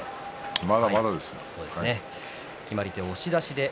まだまだです。